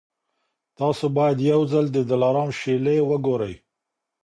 تاسي باید یو ځل د دلارام شېلې وګورئ.